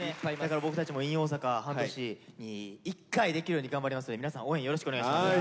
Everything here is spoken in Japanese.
僕たちも「ｉｎ大阪」半年に１回できるように頑張りますので皆さん応援よろしくお願いします。